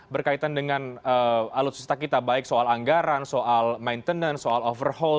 berkaitan dengan alutsista kita baik soal anggaran soal maintenance soal overhaul